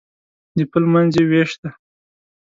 د پل منځ یې وېش دی.